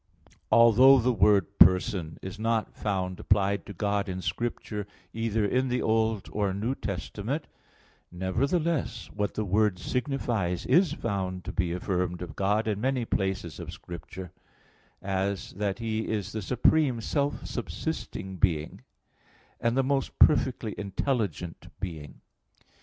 1: Although the word "person" is not found applied to God in Scripture, either in the Old or New Testament, nevertheless what the word signifies is found to be affirmed of God in many places of Scripture; as that He is the supreme self subsisting being, and the most perfectly intelligent being.